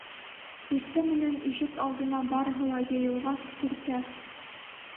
Иртә менән ишек алдына барыһы ла йыйылғас, Күркә: